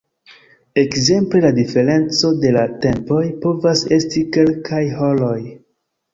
Ekzemple la diferenco de la tempoj povas esti kelkaj horoj.